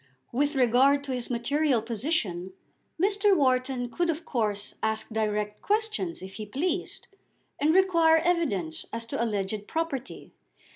With regard to his material position Mr. Wharton could of course ask direct questions if he pleased, and require evidence as to alleged property.